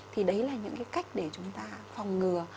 thì đấy là những cái cách để chúng ta phòng ngừa